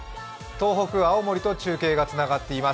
東北青森と中継がつながっています